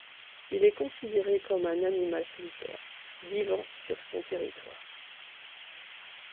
Il est considéré comme un animal solitaire, vivant sur son territoire.